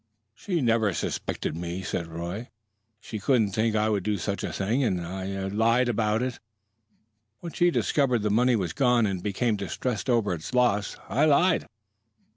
"She never suspected me," said Roy. "She couldn't think I would do such a thing. And I I lied about it. When she discovered the money was gone and became distressed over its loss, I lied."